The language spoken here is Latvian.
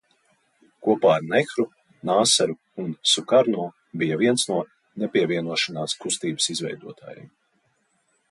Kopā ar Nehru, Nāseru un Sukarno bija viens no Nepievienošanās kustības izveidotājiem.